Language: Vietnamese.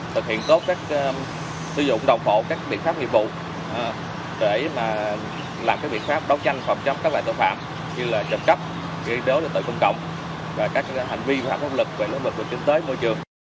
thực hiện tốt các sử dụng đồng phổ các biện pháp nghiệp vụ để làm các biện pháp đấu tranh phòng chấm các loại tội phạm như trộm cắp ghi đối tội công cộng và các hành vi hoạt động lực về lối mực của chính tế môi trường